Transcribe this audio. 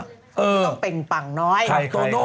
ต้องเป็นปังน้อย